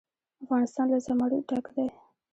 افغانستان له زمرد ډک دی.